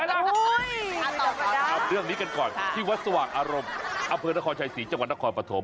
อุ้ยเรียกเรื่องนี้กันก่อนที่วัดสวักอารมณ์อนครชัย๔จังหวัดนครปฐม